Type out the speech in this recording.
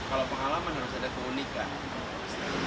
kalau pengalaman harus ada keunikan